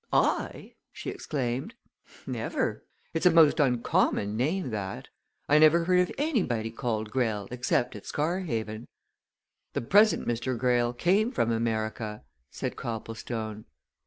"I?" she exclaimed. "Never! It's a most uncommon name, that. I never heard of anybody called Greyle except at Scarhaven." "The present Mr. Greyle came from America," said Copplestone.